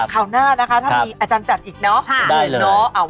ข่าวหน้านะคะถ้ามีอาจารย์จัดอีกเนาะ